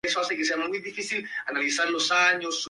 Adidas presentó un Tumblr blog oficial de fútbol.